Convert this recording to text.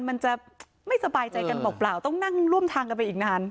มันจะไม่สบายใจกันเปล่าต้องนั่งร่วมทางกันไปอีกนาน